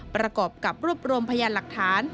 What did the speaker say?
ประกอบกับรวบรวมพยานหลักฐาน